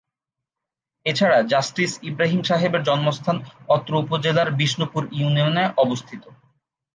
এ ছাড়া জাস্টিস ইব্রাহিম সাহেবের জন্মস্থান অত্র উপজেলার বিষ্ণুপুর ইউনিয়নে অবস্থিত।